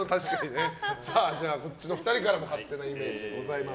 こっちの２人からも勝手なイメージございます。